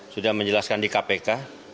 sudah menjelaskan di kpk